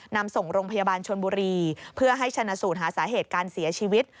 นำส่งโรงพยาบาลชนบุรีเพื่อให้ชนะสูตรหาสาเหตุการเสียชีวิต